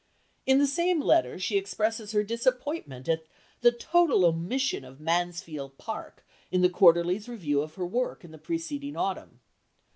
In the same letter she expresses her disappointment at the "total omission of 'Mansfield Park'" in the Quarterly's review of her work in the preceding autumn.